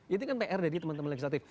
itu kan prd ini teman teman legislatif